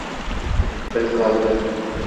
Bill Kozbi